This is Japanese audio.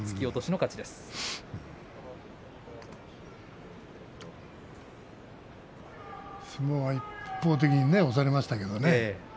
うーん相撲は一方的に押されましたけれどもね。